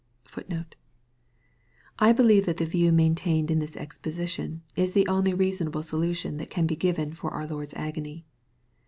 "*;* I believe that the view maintained in this exposition, is the only reasonable solution that can be given of our Lord's agony.